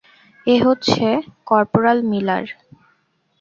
এ হচ্ছে corporal Miller.